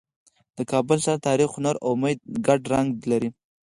د کابل ښار د تاریخ، هنر او امید ګډ رنګ لري.